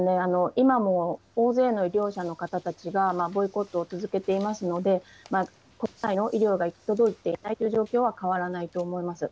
今も大勢の医療者の方たちがボイコットを続けていますので、本来の医療が行き届いていないというのは変わらないと思います。